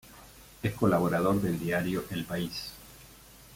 Es colaborador del diario El País.